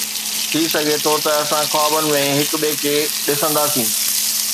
ٿي سگهي ٿو ته اسان خوابن ۾ هڪ ٻئي کي ڏسندا سين